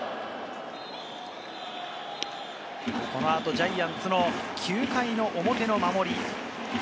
このあとジャイアンツの９回の表の守り。